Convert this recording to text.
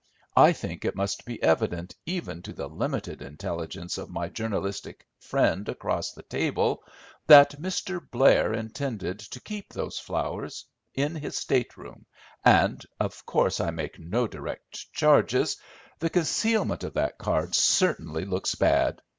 I think it must be evident, even to the limited intelligence of my journalistic friend across the table, that Mr. Blair intended to keep those flowers in his state room, and—of course I make no direct charges—the concealment of that card certainly looks bad.